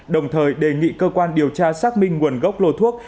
đồng thời đề nghị cơ quan điều tra xác minh nguồn gốc lô thuốc